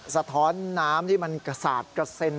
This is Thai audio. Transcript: สะท้อนน้ำที่มันกระสาดกระเซ็น